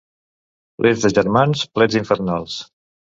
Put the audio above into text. Plets de germans, plets infernals.